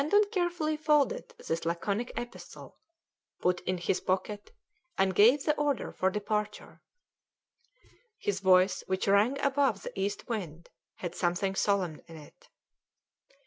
Shandon carefully folded this laconic epistle, put it in his pocket, and gave the order for departure. His voice, which rang above the east wind, had something solemn in it.